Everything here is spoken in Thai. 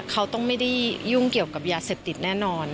เขาต้องไม่ได้ยุ่งเกี่ยวกับยาเสพติดแน่นอน